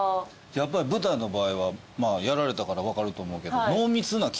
やっぱり舞台の場合はやられたから分かると思うけど。